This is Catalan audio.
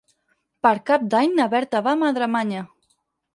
Per Cap d'Any na Berta va a Madremanya.